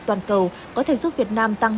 toàn cầu có thể giúp việt nam tăng